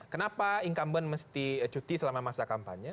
kenapa incumbent mesti cuti selama masa kampanye